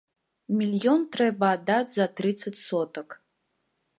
Мільён трэба аддаць за трыццаць сотак.